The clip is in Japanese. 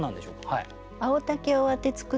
はい。